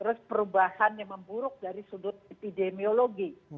terus perubahan yang memburuk dari sudut epidemiologi